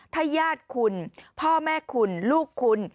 ถ้าญาติคุณพ่อแม่คุณลูกคุณ